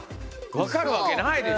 分かるわけないでしょ